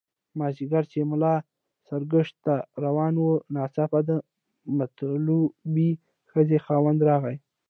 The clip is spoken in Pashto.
مازیګر چې ملا ساراګشت ته روان وو ناڅاپه د مطلوبې ښځې خاوند راغی.